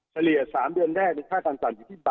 เฉลีย๓เดือนแรกเพราะค่าการตลาดอยู่ที่บ๑